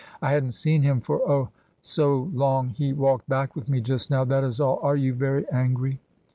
I hadn't seen him for, oh, so long; he walked back with me just now, that is all! Are you very angry?"